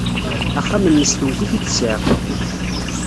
Axxam-nnes twet-it-id ssiɛqa.